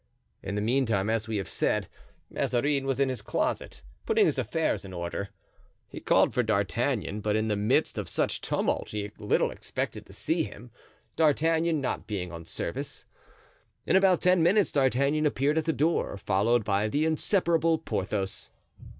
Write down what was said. In the meantime, as we have said, Mazarin was in his closet, putting his affairs in order. He called for D'Artagnan, but in the midst of such tumult he little expected to see him, D'Artagnan not being on service. In about ten minutes D'Artagnan appeared at the door, followed by the inseparable Porthos.